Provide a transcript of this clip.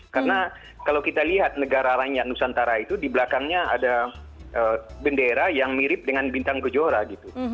karena kalau kita lihat negara rakyat nusantara itu di belakangnya ada bendera yang mirip dengan bintang gejora gitu